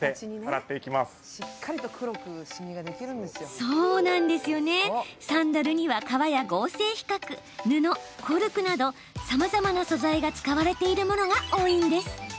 そう、サンダルには革や合皮皮革、布、コルクなどさまざまな素材が使われているものが多いですよね。